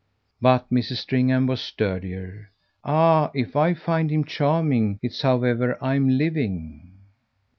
But Mrs. Stringham was sturdier. "Ah if I find him charming it's however I'm living."